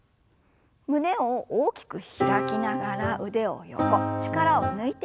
胸を大きく開きながら腕を横力を抜いて振りほぐします。